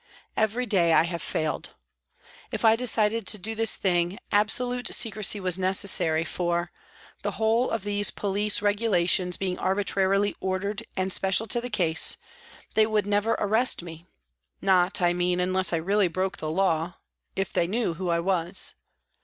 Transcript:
Every day I have failed. If I decided to do this thing, absolute secrecy was necessary, for, the whole of these police regulations being arbitrarily ordered and special to the case, they would never arrest me, not, I mean, unless I really broke the law. if they knew who I was.